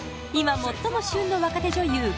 今最も旬の若手女優